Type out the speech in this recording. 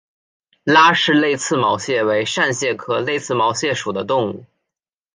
拉氏泪刺毛蟹为扇蟹科泪刺毛蟹属的动物。